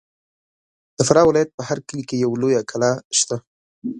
د فراه ولایت په هر کلي کې یوه لویه کلا سته.